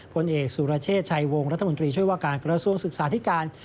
ผลเอกสุรเชษฐชัยวงรัฐมนตรีช่วยว่าการกระทรวงศึกษาธิการ